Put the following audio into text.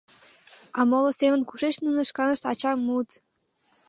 — А моло семын кушеч нуно шканышт ачам муыт.